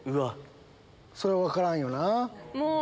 それは分からんよな。